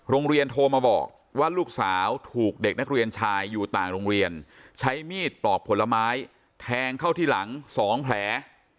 โรงเรียนโทรมาบอกว่าลูกสาวถูกเด็กนักเรียนชายอยู่ต่างโรงเรียนใช้มีดปลอกผลไม้แทงเข้าที่หลัง๒แผล